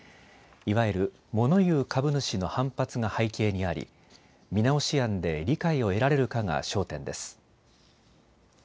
いわゆる、モノ言う株主の反発が背景にあり見直し案で理解を得られるかが焦点です。